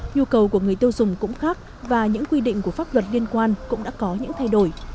nhu cầu của người tiêu dùng cũng khác và những quy định của pháp luật liên quan cũng đã có những thay đổi